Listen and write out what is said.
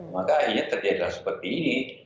maka akhirnya terjadi hal seperti ini